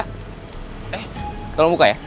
eh tolong buka ya